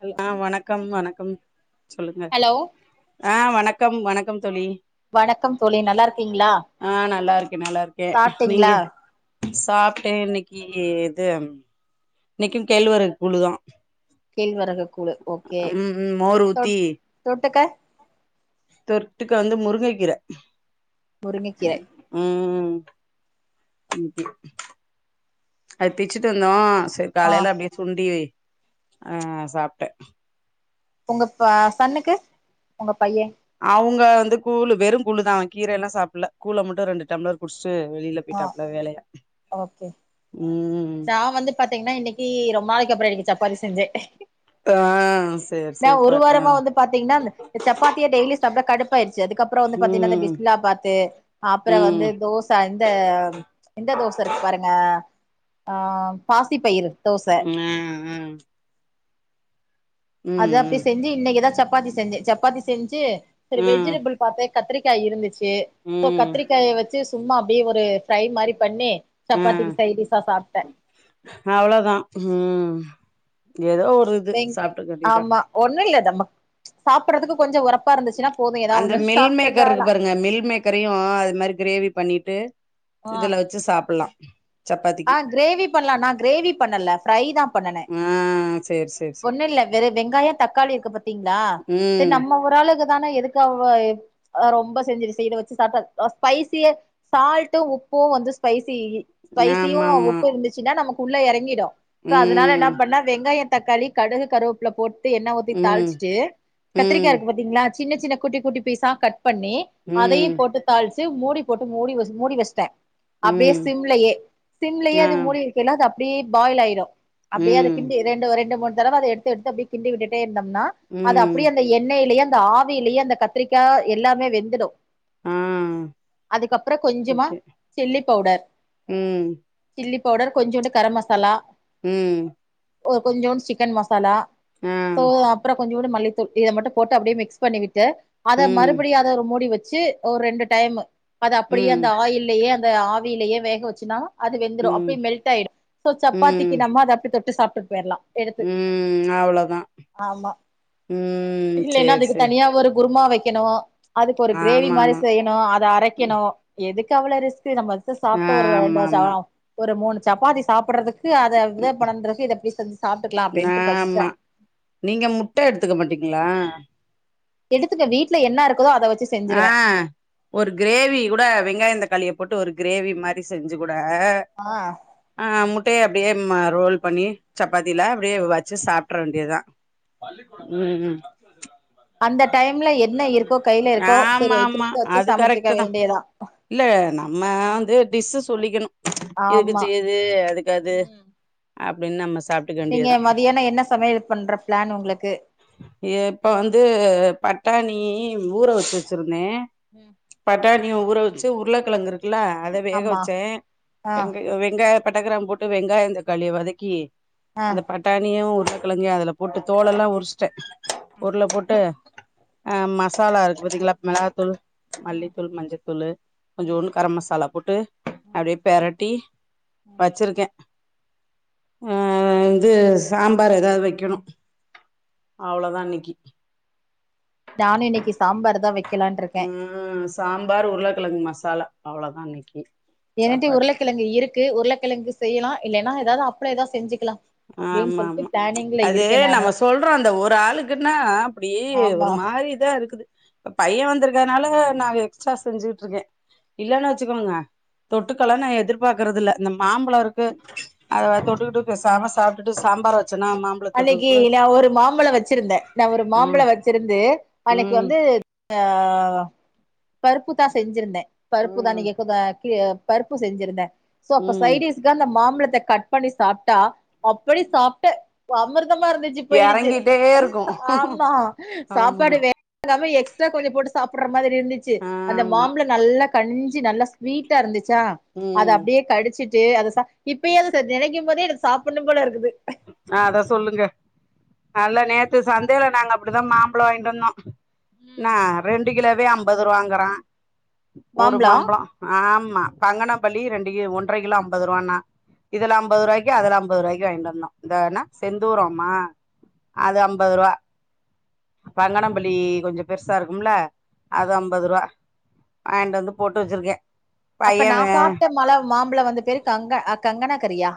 ஹல் ஆ வணக்கம் வணக்கம் சொல்லுங்க ஹலோ ஆ வணக் க்கம் வணக்கம் தோழி வணக்கம் தோழி நல்லா இருக்கீங்களா ஆ நல்லா இருக்கேன் நல்லா இருக்கேன் சாப்ட்டீங்களா நீங்க சாப்ட்டே இன்னைக்கி இதும் இன்னைக்கும் கேழ்வரகு கூழுதா கேழ்வரகு கூழு ஓகே ம் ம் மோர் தொட் ஊத்தி தொட்டுக்க தொட்டுக்க வந்து முருங்கக்கீர முருங்கக்கீரை ம் ம் ம் அது பிச்சுட்டு வந்தோ சரி ஆ காலையில அப்டியே சுண்டி வெய் ஆ சாப்ட்டே உங்க ப சன்னுக்கு உங்கப் அவங்க வந்து கூழு வெறும் கூளு தா அவ கீரை எல்லா சாப்புட்ல கூழ மட்டு ரெண்டு டம்ளர் குடிச் ச்சு வெளியில ஆ போய்ட்டாப்புல வேலையா ம் டா வந்து பாத்தீங்கனா இன்னைக்கி ரொம்ப நாளைக்கி அப்புறோ இன்னக்கி‌ சப்பாதி செஞ்சே ஆ சேரி நா ஒரு சூப்பர் ஆ வாரமா வந்து பாத்தீங்கன்னா அந்த அ சப்பாத்திய டெய்லி ப்பாயிடுச்சு அதுக்கப்புறோ வந்து பாத்தீங்களா இந்த ம் பிஸ்மில்லா பாத்து ஆ அப்புறோ வந்து ம் தோச இந்த இந் ந்த தோச இருக்கு பாருங்க ஆ பாசி பயிரு ம் அ அ அது அப்டி செஞ்சு இன்னைக்குதா சப்பாத்தி செஞ்சே சப்பாத்தி செஞ்சு சரி ம் வெஜிடபிள் பாத்தே கத்திரிக்கா இருந்துச்சு போ கத்திரிக்காய வெச்சு சும்மா அப்டே ஒரு ஃப்ரை மாரி பண்ணி ஆ சப்பாத்திக்கு சைடிஸா சாப்ட்டே அவ்ளோதா ம் ஏதோ ஒரு இது வெங் சாப்ட்டுக்க வேண்டியதா ஆமா ஒண்ணு இல்லை தம்மா ச்ச சாப்படதற்க்கு கொஞ்சோ உரப் அந்த மில் மேக்கர் இருக்கு பாருங்க மில் மேக்கரையு அது மாரி கிரேவி பண்ணிட்டு ஆ இதுல வெச்சு சாப்பில்லா ஆ கிரேவி பண்ல நா கிரேவி பண்ணல ஃப்ரைதா பண்ணுனே ஆ சேரி சேரி சேரி ஒண்ணில்ல வெற வெங்காய தக்காளி இருக்கு பாத்தீங்ளா செரி ம் நம்ம ஒரு ஆளுக்கு தான எதுக் அவ்வாயி ஆ ரொம்ப செஞ்சிது செயித வெச்சு சாப்டாச் அவா ஸ்பைசிய சால்ட்டு உப் போ வந்து ஸ்பைசி ஸ்பைசியு ஆமா ஆமா உப்பு இருந்துச்சுனா நமக்குள்ள எறங்கிடோ சோ அதனால ம் என்னா பண்ண வெங்காய தக்காளி கடுகு கருவப்புல போட்டு எண்ணெ ஊத்தி ம் தாளிச்சுட்டு ம் கத்திரிக்காருக் பாத்தீங்ளா சின்ன சின்ன குட்டி குட்டி பீசா கட் பண்ணி அதயு ம் போட்டு தாள்ச் டு மூடி போட்டு மூடி வெச் மூடி வெச்ட்டே அப்டே ம் சிம்லையே சிம்லையே ஆ அது மூடி வெக்கல்லா த அப்டே பாயிலையிரோ அப்டே அத ம் கிண்டி ரெண்டுவ ரெண்டு மூண் தரவ அத எத்து எத்து அப்டே கிண்டி விட்டுட்டே ந்தம்னா அது ம் அப்டியே அந்த எண்ணெய்லியே அந்த ஆவில்லியே அந்த கத்திரிக்கா எல்லாமே வெந்துடோ ஆ அதுக்கப்பற கொஞ்சமா ஓகே சில்லிப் பவுடர் ம் சில்லி பவுடர் கொஞ்சோண்டு கரம் மசாலா ம் ஒ கொஞ்சோண் சிக்கன் மசாலா ஆ சோ அப்றம் கொஞ்சூண்டு மல்லித்தூள் இத மட்டு போட்டு அப்டே மிக்ஸ் பண்ணிவிட்டு அத ம் மறுபுடியு அத ஒர மூடி வெச் சு ஓர் ரெண்டு டைம்மு அத அப்பிடியே ம் அந்த ஆயில்லியே அந்த ஆவியில்லயே வேக வச்சுன்னா அது வெந்துரோ ம் அப்ய மெல்ட் ஆயிடு சோ சப்பாத்திக்கி ம் நம்மோ அத அப்டே தொட்டு சாப்டுருட் போயிர்லா எடுத்து ம் அவ்ளோதா ஆமா ம் இல்லேனா சேரி அதுக்கு சேரி தனியா ஒரு குருமா வெக்கணு அதுக்கொரு கிரேவி மாரி ஆமாமா செய்யணு அத அரைக்கணு எதுக்கு அவ்ளோ ரிஸ் டு நம்பர்ட்ட சாப்ட்டு ஒரு ரெண்டு ஆமாமா [unintelligible] ஒரு மூணு சப்பாத்தி சாப்புடறதுக்கு து அத விதே ம் [unintelligible] இதப்டி செஞ்சு சாப்ட்டுக்கிலா அப்டின்ட்டு பஸ்சே ஆமா நீங்க முட்ட எடுத்துக்க மாட்டீங்ளா எடுத்துப்பே வீட்ல என்னா இரு ஆ ஒரு கிரேவி கூட வெங்காயந் தக்காளிய போட்டு ஒரு கிரேவி மாரி செஞ்சு போட் டா ஆ ஆ முட் டேய அப்டியேம் மா ரோல் பண்ணி சப்பாதில அப்டே வச்சு சாப்ட்ற வேண்டியத்தா ம் அந்த டைம்ல என்ன இருக்கோ கைல இருக்கோ செரி [inaudible] வெச்சு சமச்சுக்க வேண்டியதா இல்லா நம்மா வந்து டிஸ்சா சொல்லிக்குணு ஆமா இதுக்குச்சு ஏது அதுக்கது ம் அப்டின் நம்ம சொ நீங்க மதியனா என்ன சமையல் பண்ற பிளான் உங்குளுக்கு இப்ப வந்து பட்டாணி வ்வு ஊற வெச்சு வெச்சிருந்தே ம் பட்டாணிய ஊற வெச்சு உர்ளக்கெழங்கிரு கில அத வேக ஆமா வெச்சே ஆ வெங்கயு வெங்காயத் பட்டக் கிராம் போட்டு வெங்காயந் தக்காளிய வதக்கி ஆ அந்த பட்டாணியு உர்ளகெழங்கியு அதுல போட்டு தோலெல்லா உரிச்சுடே ம் உர்ள போட்டு ஆ ம சாலா இருக் பாத்தீங்ளா மெளகாத்தூளு ம் மல்லித்தூள் மஞ்சத்தூளு ம் கொஞ்சூண்டு கரம் மசாலா போட்டு ம் அப்டி பெரட்டி ம் வெச்சிருக்கே ஆ ந்து சாம்பார் ஏதா வெக்கணு அவ்ளோதா இன்னிக்கி நானு இன்னைக்கு சாம்பார் தா வைக்கலான் இருக்கே ம் சாம்பார் உர்ளக்கெழங்கு மசாலா அவ்ளோதா இன்னக்கி ஏன்ட்டயு உருளக்கெழங்கு இருக்கு உருளக்கெழங்கு செய்யலா இல்லேனா ஏதாது அப்பளே ஏதா செஞ்சிக்கலா அப்டின் ஆமா சொல்ட்டு ஆமா பிளானே அது நம்ம சொல்றோ அந்த ஒரு ஆளுக்குனா அப்டீ ஆமா ஒரு மாரிதா இருக்குது இப்ப பைய வந்திருக்கனால நாங்க எக்ஸ்ட்ரா செஞ்சுகிட்ருக்கே இல்லன்னா வச்சுக்கோங்க தொட்டுக்கலா நா எதிர்பாக்கிறதுல்ல இந்த மாம்பழ இருக்கு அத தொட்டுக்கிட்டு பேசாம சா சாப்டுட்டு சாம்பார வச் அன்னைக்கி நா ஒரு மாம்பழ வச்சிருந்தே நா ஒரு மாம்பழ ம் வச்சிருந்து அன்னைக்கு ம் வந்து ஆ பருப்புத்தா செஞ்சிருந்தே பருப்பு தா ம் நீங்கப பி பருப்பு செஞ்சிருந்தே சோ அப்ப ம் சைடிஸ்க்கு அந்த மாபழத்த கட் பண்ணி சாப்ட்டா அப்டி சாப்டே அமிர்த மா இருந்துச்சு போயிடுச்சு எறங்கிட்டே இருக்கு ஆமா சாப்பாடு ஆமா வே கமா எக்ஸ்ட்ரா கொஞ்ச போட்டு சா சாப்ட்ற மாதிரி இருந்துச்சு அந்த ஆமா மாம்பழ நல்லா கனிஞ்சு நல்லா ஸ்வீட்டா இருந்துச் சா அத ம் அப்டியே கடிச்சிட்டு அத சா இப்பயே அத சார் நெனைக்கும் போதே எனக்கு சாப்புட்ணும் போல இருக்குது அத சொல்லுங்க நல்லா நேத்து சந்தைல நாங்க அப்டிதா மாம்பழ வாங்கிட்டு வந்தோ நா ரெண்டு கிலோவே அம்பது ரூவாங்கறா ஒரு மாம்பழோ மாம்பழ ஆம் மா பங்கணப்பள்ளி ரெண்டு கி ஒன்ற கிலோ அம்பது ரூவான்னா இதுல அம்பது ரூவாய்க்கு அதுல அம் பது ரூவாக்கு வாங்கிட் வந்தா இந்த என்னா செந்தூரமா அது அம்பது ரூவா பங்கணப்பள்ளி கொஞ்ச பெருசா இருக்கும்ல அது அம்பது ரூவா வாங்கிட் வந்து போட்டு வச்சிருக்கே அப்ப பைய நா வே சாப்ட்ட மல மாம்பழ வந்து பேரு கங்க ஆ கங்கன கரியா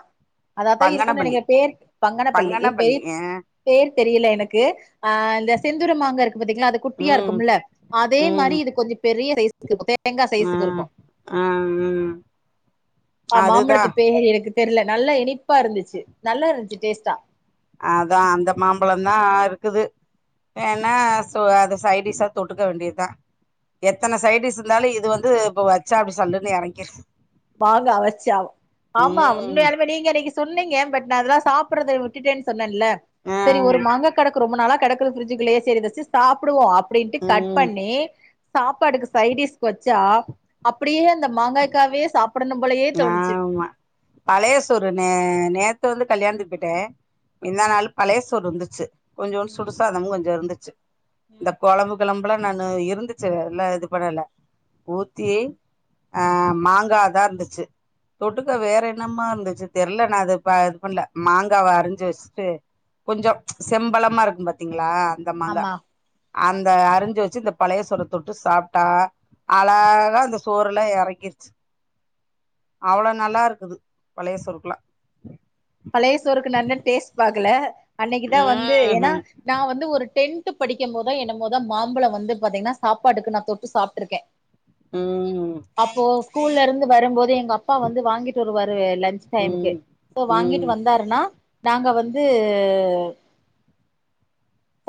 அதாதா இருக்குன் பங்கனப்பள்ளி நெனைக்றே பேரு பங்கணப்பள்ளி இப்பேய் பங்கனப்பள்ளி ஆ பேர் தெரியல எனக்கு ஆ இந்த செந்தூர மாங்கா இருக்கு பாத்தீங்ளா அது குட்டியா ம் இருக்குமுல்ல அதேம் மாரி ம் இது கொஞ்ச பெரிய்ய சைஸுக் இருக்கு தேங்கா ஆ சைஸுக்கு இருக்கு ஆ ம் ஆ அதுதா மாம்பழத்து பேர் எனக்கு தெர்ல நல்லா இனிப்பா இருந்துச்சு நல்லா இருந்ச்சு டேஸ்ட்டா அதா அந்த மாம்பழந்தா இருக்குது ம் வேண்ணா சொ அது சைடிஸ்ஸா தொட்டுக்க வேண்டியத்தா எத்தன சைட்டிஸ் இருந்தாலு இது வந்து இப்ப வச்சா அப்டி சல்லுன் எறங்கிரு பாங்கா வச்சாவு ஆமா ம் உண்மையாலுமே நீங்க அன்னக்கி சொன்னீங்க பட் நா அதெல்லா சாப் ட்றத விட்டுட்டேன் சொன்னன்ல ஆ செரி ஒரு மாங்கா கெடெக்கு ரொம்ப நாளா கெடெக்குது பிரிட்ஜுக்குள்ளயே செரி இத வெச்சி சாப்டுவோ அப்டின்ட்டு கட் ம் பண்ணி சாப்பாடுக்கு சைட்டிஸ்க்கு வச்சா அப்டியே அந்த மாங்காய்க்காவே சாப்பிடணும் போலயே தோணுச்சு ஆமா பழைய சோறு நே நேத்து வந்து கல்யாணத்க்கு போய்ட்டே மிந்தா ம் நாளு பழைய சோறு இருந்துச்சு கொஞ்சோனு ம் சுடுசாதமு கொஞ்ச இருந்துச்சு இந்த ம் கொழம்பு கிழம்புலா நானு இருந்துச்சு எல்லா இது பண்ணல ஊத்தி ஆ மாங்காதா இருந்துச்சு தொட்டுக்க வேற என்னமா இருந்துச்சு தெர்ல நா அது இப்ப இது பண்ல மாங்காவ ம் அரிஞ்சி வச்ட்டு ம் கொஞ்சொ செம்பழமா இருக்கு பாத்தீங்ளா அந்த மாங்கா ஆமா அந்த அரிஞ்சு வச்சு இந்த பழைய சோற தொட்டு சாப்ட்டா அழகா இந்த சோறெல்லா எறங்கிருச்சு அவளோ நல்லா இருக்குது பழைய சோறுக்குலா பழைய சோறுக்கு நா இன்ன டேஸ்ட் பாக்கல அன்னக்கிதா வந்து ஏனா ம் நா வந்து ஒரு டென் த்து படிக்கம்போதோ என்னமோதா மாம்பழ வந்து பாத்தீங்னா சாப்பாடுக்கு நா தொட்டு சாப்ட்ருக்கே ம் ஸ்கூல்ல இருந்து வரம்போது எங்க அப்பா வந்து வாங்கிட்டு வருவாரு லஞ்ச் டைமுக்கே ம் சோ வாங்கிட் ம் வந்தாருனா நாங்க வந்து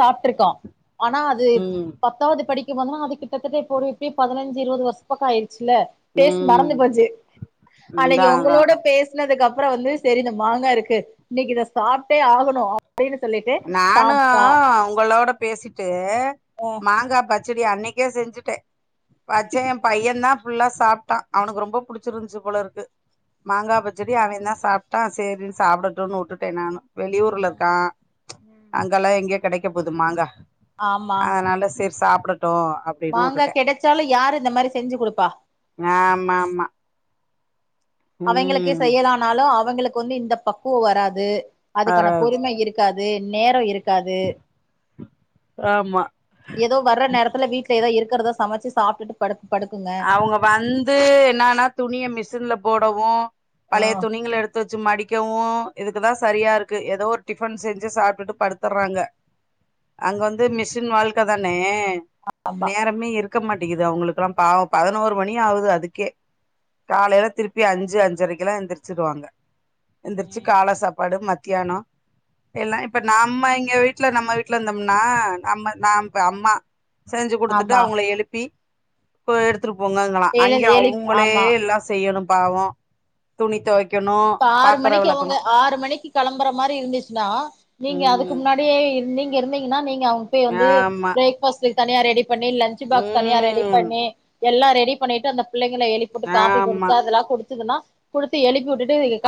சாப்ட்டுருக்கா ஆனா அது ம் பத்தாவ்து படிக் க்கணு அது கிட்டத்தட்ட இப்போ ஒரு எப்டியு பதுனஞ்சு இருவது வர்ஷத்துக்க ஆயிரு ச்சுல்ல ஃபேஸ் மறந்து ம் போச்சு அன்னக்கி அதா அதா ஒங்களோட அதா பேசுனதுக்கப் ப்றோ வந்து செரி இந்த மாங்கா இருக்கு இன்னக்கி இத சாப்ட்டே ஆகணு அப்டினு சொல்லிட்டு சாப் ஆ ஒங்களோட பேசிட்டு ஆ மாங்கா பச்சடி அன்னைக்கே செஞ்சுட்டே வச்சே எ பையந்தா ஃபுல்லா சாப்ட்டா அவனுக்கு ரொம்ப புடிச்சிருந்ச்சு போல இருக்கு மாங்காய் பச்சடி அவெந் தா சாப்ட்டான் சேரி சாப்டட்டுன்னு வுட்டுட்டே நானு வெளியூர்ல இருக்கா அங்கலா எங்கெ கெடைக்க போது மாங்கா ஆமா அத்னால செரி சாப்டட்டு அப்டின்னு மாங்கா வுட்டுட்டே கெடச்சாலு யாரு இந்த மாரி செஞ்சி குடுப்பா ஆமா ஆமா அவெங்களுக்கே ம் செய்யலான்னாலு அவங்களுக்கு வந்து இந்த பக்குவ வராது அதுக்கான வராது பொறுமை இருக்காது நேரோ இருக் இருக்காது ஆமா ஏதோ வர்ற நேரத்தில வீட்ல ஏதோ இருக்றத சமசி சாப்ட்டுட் படுத் அவுங்க வந்து என்னான்னா துணிய மிஷின்ல போடவு ஆ பழைய துணிங்கள எடுத்து வச்சி மடி க்கவு இதுக்குதா சரியா இருக்கு ஏதோ ஒரு டிஃபன் செஞ்சி சாப்ட்டு படுதுற்றாங்க அங்க வந்து மிஷின் வாழ்க்க தானே ஆமா நேரமே இருக்க மாட்டேகிது அவங்களுக்கெல்லா பாவோ பதினோரு மணி ஆகுது அதுக்கே காலைல திருப்பி அஞ்சி அஞ்சரைக்குல்லா எந்திரிச்சிடுவாங்க எந்திரிச்சி காலை சாப்பாடு மத் த்தியானொ ஏன்னா இப்ப நம்ம இங்க வீட்டுல நம்ம வீட்டுல இருந்தோம்னா நம்ம நான் ப அம்மா செஞ்சு குடுத்துட்டு ஆமா அவுங்கள எழுப்பி இப்போ எடுத்துட்டு போங்கங்களா எழு அங்கே எழு அவங்களே ஆமா எல்லா செய்யணு பாவோ துணி துவைக் இப்ப ஆறு மணிக்கு அவுங்க ஆறு மணிக்கு கிளம்புற மாதிரி இருந்துச்சுன்னா நீங்க அதுக்கு ம் முன்னாடியே இருந்தீங் இருந்தீங்கனா நீங்க அவுங்க போய் வந்து ஆமா பிரேக்ஃபாஸ்டு தனியா ரெடி பண்ணி லஞ்ச்பாக்ஸ் தனியா ரெடி ம் பண்ணி எல்லா ரெடி பண்ணிட்டு அந்த புள்ளைங்கள எழுப்புட்டு காபி குடிச்ச ஆமா அதெல்லா குடிசதுன்னா குடுத்து எழுப்பி வுட்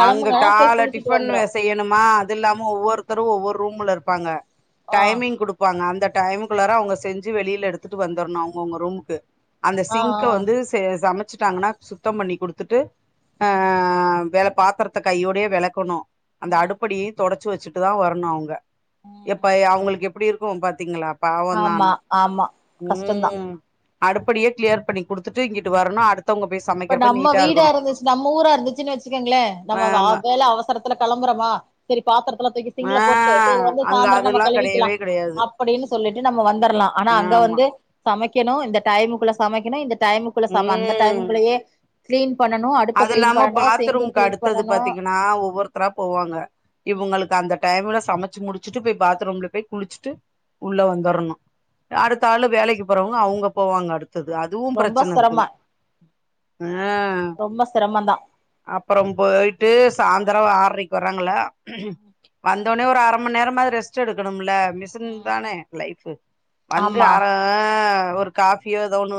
அங்க கால டிஃபன் செய்யணுமா அது இல்லாம ஒவ்வொருத்தரு ஒவ்வொரு ரூம்ல இருப்பாங்க ஆ டைமிங் கொடுப்பாங்க அந்த டைம்க்குள்ளார அவங்க செஞ்சி வெளில எடுத்துட்டு வந்துரணு அவங்க அவங்க ரூமுக்கு அந்த ஆ ஆ சிங்க்க வந்து சே சமைச்சுட்டாங்கனா சுத்தம் பண்ணி குடுத்துட்டு ஆ ம் விள பாத்திரத்தை கையோடையே விளக்கணு அந்த ம் அடுப்படியு தொடச் ச்சு வச்சிட்டு தா வரணு அவங்க ம் எப்ப ம் அவங்களுக்கு எப்படி இருக்கு பாத்தீங்களா பாவோதா ஆமா ஆனா ஆமா உ கஷ்டந்தா அடுப்படியே கிளியர் பண்ணி கொடுத்துட்டு இங்குட்டு வரணு அடுத் இப்ப நம்ம வீடா இருந்துச்சு நம்ம ஊரா இருந்துச்சுன்னு வச்சுகோங்களே நம்ம வ ஆமா வேல அவசரத்துல கிளம்புறோமா சரி பா ல்லா தூக்கி ஆ சிங்ல போட்டு வந்து அங்க சாந்தரோ நம்ம அதெல்லா கழுவிக்கலா கெடையவே கெடையாது அப்புடினு சொல்லிட்டு நம்ம வந்துரலா ஆனா அங்க ஆமா வந்து சமைக் க்கணு இந்த டைமுக்குள்ள சமைக்கணு இந்த டைமுக்குள்ள சம அந்த ம் டைமுக்குள்ளயே கிளீன் பண்ணனு அடுப்ப அது கிளீன் இல்லாம பண்ணனு சிங்கு பாத்ரூம்க்கு கிளீன் அடுத்தது பண்ணனு பாத்தீங்கன்னா ஒவ்வொருத்தரா போவாங்க ம் இவங்களுக்கு அந்த டைம்ல சமைச்சு முடிச்சுட்டு போய் பாத்ரூம்ல போய் குளிசுட்டு உள்ள வந்துறணு யாருக் ஆளு வேலைக்கு போறவங்க அவுங்க போவாங்க அடுத் தது அதுவு ரொம்ப பிரச்சனை இருக்குது சிரம ஆ ரொம்ப சிரமந்தா அப்றோ போயிட்டு சாய்ந்தர ஆறைக் வராங்கள்ளா வந்தோனே ஒரு அரமநேரம்மாது ரெஸ்ட் எடுக்கணும்லே த மிசின் தானே லைஃப்பு வந்து ஆமா அறோ ஒரு காபியோ ஏதோ ஒன்னு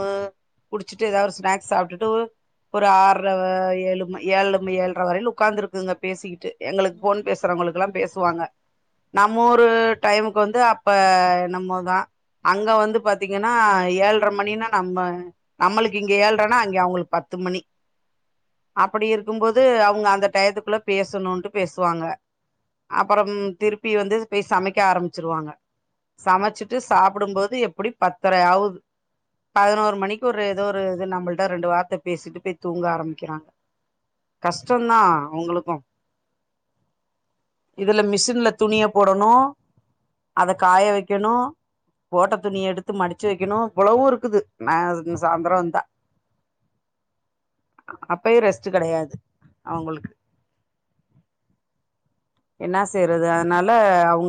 குடிச்சிட்டு ஏதாவது ஒரு ஸ்நாக்ஸ் சாப்டுட்டு ஒரு ஆர் ற ஏழு ம ஏழும் ஏழ்ர வரையிலு உக்கார்ந்துருக்குங்க பேசிக்கிட்டு எங்களுக்கு ம் போன் பேசுறவங்களுக்கு எல்லாம் பேசுவாங்க நம்ம ஒரு டைம்முக்கு வந்து அப்ப நம்மோதா அங்க வந்து பாத்தீங்கன்னா ஏழ்ரை மணினா நம்ம நம்மளுக்கு இங்க ஏழ்ரனா அங்கே அவங்களுக்கு பத் து மணி அப்படி இருக்கும்போது அவங்க அந்த டயத்துக்குள்ள பேசணுன்ட்டு பேசுவாங்க அப்பறம் திருப்பி வந்து போய் சமைக்க ஆரம்பிச்சிருவாங்க சமச்சிட்டு சாப்புடும்போது எப்புடி பத்தரையாவுது பதனோரு மணிக்கு ஒரு ஏதோ ஒரு இது நம்மள்ட்ட ரெண்டு வார்த்த பேசிட்டு பே தூங்க ஆரம்பிக்கிறாங்க கஷ்டந்தா அவுங்களுக்கு இதுல மிஷின்ல துணிய போடணு அத காய வைக்கணு போட்ட துணிய எடுத்து மடிச்சி வைக்கணு இ்வ்வளவு இருக்குது நா சாந்தரோ வந்தா [inaudible] அப்பயு ரெஸ்ட் கெடையாது அவுங்களுக்கு என்னா செய்றது அதனால அவுங்க